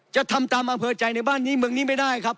จะทำตามอำเภอใจในบ้านนี้เมืองนี้ไม่ได้ครับ